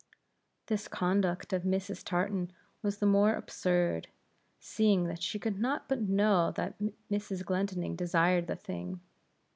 This conduct of Mrs. Tartan, was the more absurd, seeing that she could not but know that Mrs. Glendinning desired the thing.